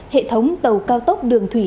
hệ thống tàu cao tốc đường thủy